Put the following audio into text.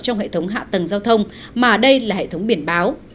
trong hệ thống hạ tầng giao thông mà đây là hệ thống biển báo